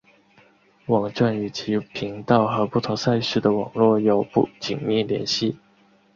网站与其频道和不同赛事的网络有紧密联系。